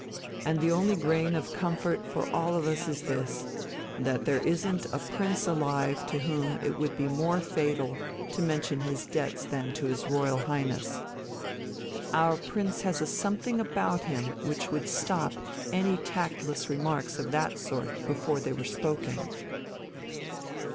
And the only grain of comfort for all of us is this: that there isn't a prince alive to whom it would be more fatal to mention his debts than to his Royal Highness. Our Prince has a something about him which would stop any tactless remarks of that sort before they were spoken